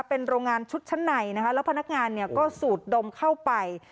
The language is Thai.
เป็นโรงงานชุดชั้นในนะคะแล้วพนักงานเนี่ยก็สูดดมเข้าไป